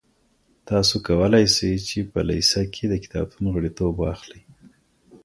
تاسو کولای سئ چي په لېسه کي د کتابتون غړیتوب واخلئ.